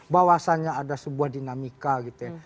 bahwasannya ada sebuah dinamika gitu ya